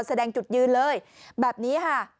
แสดงจุดยืนเลยแบบนี้ค่ะ